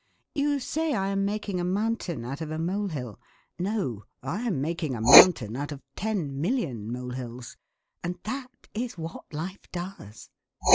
You say I am making a mountain out of a mole hill. No! I am making a mountain out of ten million mole hills. And that is what life does.